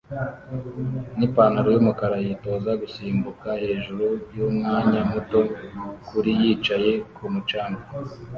nipantaro yumukara yitoza gusimbuka hejuru yumwanya muto kuri yicaye kumu canga